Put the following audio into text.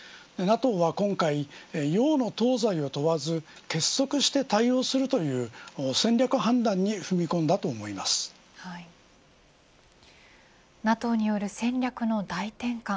ＮＡＴＯは今回洋の東西を問わず結束して対応するという戦略判断にＮＡＴＯによる戦略の大転換。